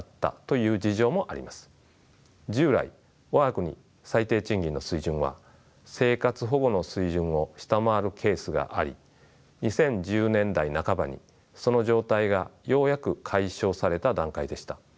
従来我が国最低賃金の水準は生活保護の水準を下回るケースがあり２０１０年代半ばにその状態がようやく解消された段階でした。